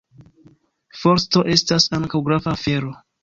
Forsto estas ankaŭ grava afero.